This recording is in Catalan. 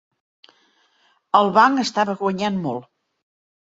El banc estava guanyant molt.